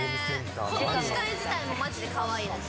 この機械自体もまじでかわいいです。